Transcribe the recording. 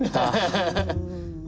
ハハハハ。